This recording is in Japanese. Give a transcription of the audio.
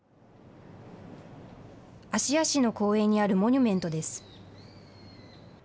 芦屋市の公園にあるモニュメントです。